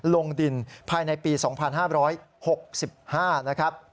ลงดินภายในปี๒๕๖๕นะครับ